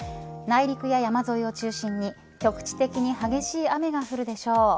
内陸や山沿いを中心に局地的に激しい雨が降るでしょう。